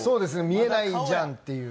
見えないじゃんっていう。